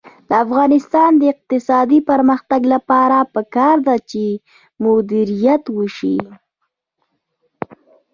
د افغانستان د اقتصادي پرمختګ لپاره پکار ده چې مدیریت وشي.